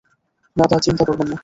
দাদা, চিন্তা করবেন না।